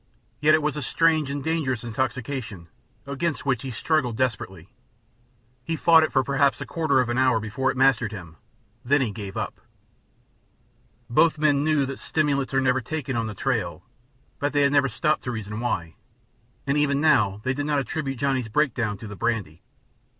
Yet it was a strange and dangerous intoxication, against which he struggled desperately. He fought it for perhaps a quarter of a mile before it mastered him; then he gave up. Both men knew that stimulants are never taken on the trail, but they had never stopped to reason why, and even now they did not attribute Johnny's breakdown to the brandy.